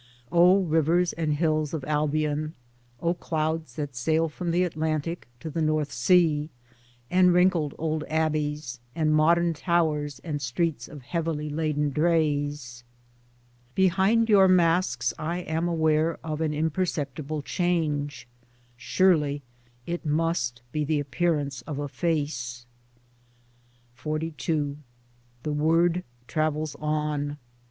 O rivers and hills of Albion, O clouds that sail from the Atlantic to the North Sea, and wrinkled old Abbeys and modern towers and streets of heavily laden drays, Behind your masks I am aware of an imperceptible change : surely it must be the appearance of a Face. 64 Towards Democracy XLII The word travels on.